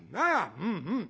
うんうん。